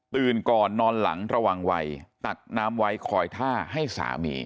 ก่อนนอนหลังระวังวัยตักน้ำไว้คอยท่าให้สามี